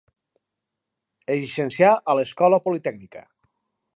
Es llicencià a l'Escola Politècnica.